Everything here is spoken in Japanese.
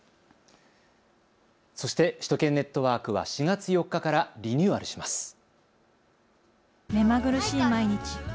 そして首都圏ネットワークは４月４日からリニューアルします。